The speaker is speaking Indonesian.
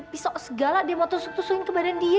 dia ambil pisau segala dia mau tusuk tusukin ke badan dia